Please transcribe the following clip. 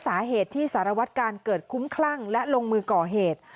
สาเหตุที่สารวัตกาลเกิดคุ้มคลั่งและลงมือก่อเหตุ